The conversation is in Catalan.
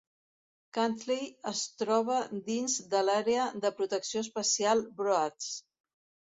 Cantley es troba dins de l'àrea de protecció especial Broads.